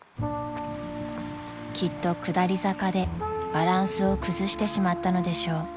［きっと下り坂でバランスを崩してしまったのでしょう］